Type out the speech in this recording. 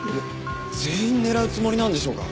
全員狙うつもりなんでしょうか？